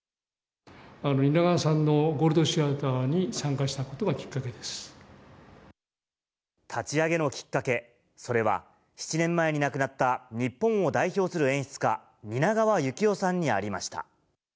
蜷川さんのゴールド・シアタ立ち上げのきっかけ、それは７年前に亡くなった、日本を代表する演出家、蜷川幸雄さんにありました。